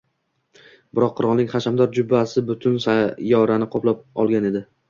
biroq qirolning hashamdor jubbasi butun sayyorani qoplab oigan edi.